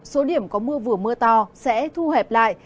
số điểm có mưa vừa mưa to sẽ thu hẹp lại